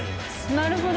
なるほど。